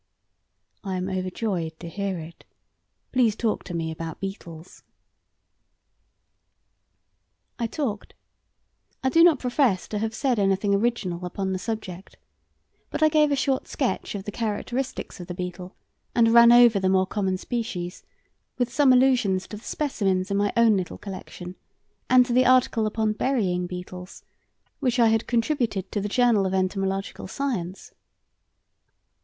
"I am overjoyed to hear it. Please talk to me about beetles." I talked. I do not profess to have said anything original upon the subject, but I gave a short sketch of the characteristics of the beetle, and ran over the more common species, with some allusions to the specimens in my own little collection and to the article upon "Burying Beetles" which I had contributed to the Journal of Entomological Science.